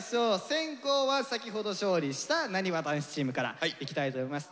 先攻は先ほど勝利したなにわ男子チームからいきたいと思います。